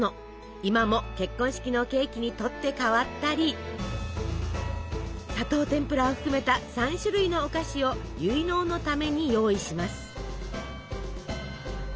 今も結婚式のケーキに取って代わったり砂糖てんぷらを含めた３種類のお菓子を結納のために用意します。